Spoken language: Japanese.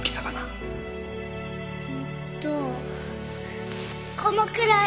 えっとこのくらい！